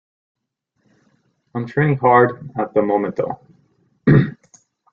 I'm training hard at the moment though.